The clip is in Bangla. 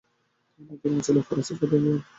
তাদের মা ছিলেন ফরাসি কানাডিয়ান।